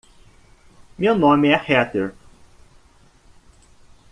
Meu nome é Heather.